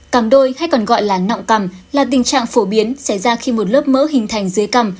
cằm đôi hay còn gọi là nọng cằm là tình trạng phổ biến xảy ra khi một lớp mỡ hình thành dưới cằm